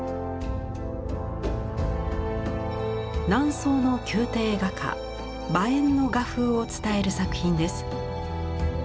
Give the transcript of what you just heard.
南宋の宮廷画家馬遠の画風を伝える作品です。